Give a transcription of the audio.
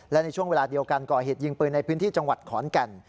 และในช่วงเวลาเดียวกันก่อเหตุยิงปืนในพื้นที่จังหวัดขอนแก่น